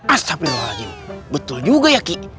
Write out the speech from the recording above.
astagfirullahaladzim betul juga ya ki